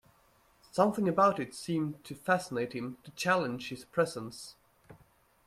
Something about it seemed to fascinate him, to challenge his presence.